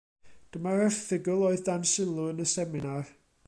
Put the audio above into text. Dyma'r erthygl oedd dan sylw yn y seminar.